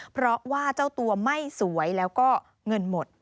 เพราะว่าเจ้าตัวไม่สวยแล้วก็เงินหมด